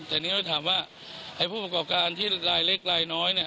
แต่นี่เราถามว่าไอ้ผู้ประกอบการที่รายเล็กรายน้อยเนี่ย